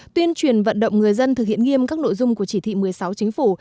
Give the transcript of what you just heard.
tuyên truyền vận động người dân thực hiện nghiêm các nội dung của chỉ thị một mươi sáu chính phủ